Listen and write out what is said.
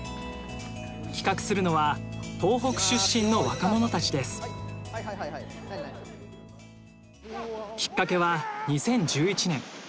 企画するのはきっかけは２０１１年。